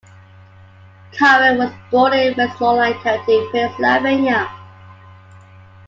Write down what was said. Cowan was born in Westmoreland County, Pennsylvania.